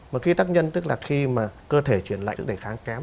mà khi tác nhân tức là khi mà cơ thể chuyển lạnh sức đề kháng kém